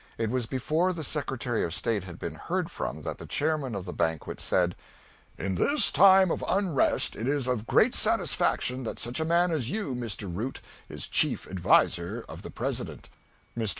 It was before the Secretary of State had been heard from that the chairman of the banquet said: "In this time of unrest it is of great satisfaction that such a man as you, Mr. Root, is chief adviser of the President." Mr.